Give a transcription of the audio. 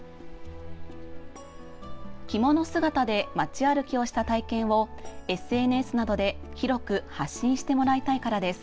着物姿で町歩きをした体験をＳＮＳなどで広く発信してもらいたいからです。